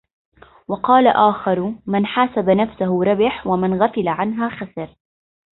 وَقَالَ آخَرُ مَنْ حَاسَبَ نَفْسَهُ رَبِحَ وَمَنْ غَفَلَ عَنْهَا خَسِرَ